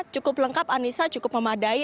cukup lengkap anissa cukup memadai